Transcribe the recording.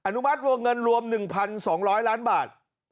นุมัติวงเงินรวม๑๒๐๐ล้านบาท